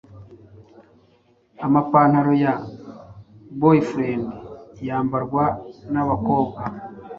Amapantalo ya boyfriend yambarwa nabakobwa